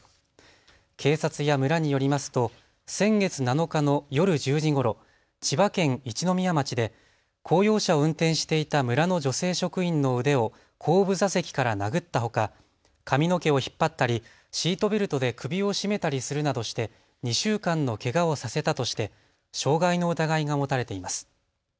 警察や村によりますと先月７日の夜１０時ごろ千葉県一宮町で公用車を運転していた村の女性職員の腕を後部座席から殴ったほか髪の毛を引っ張ったりシートベルトで首を絞めたりするなどして２週間のけがをさせたとして傷害の疑いが持たれています。